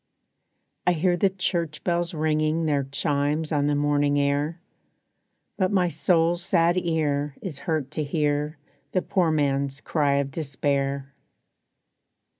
I hear the church bells ringing Their chimes on the morning air; But my soul's sad ear is hurt to hear The poor man's cry of despair.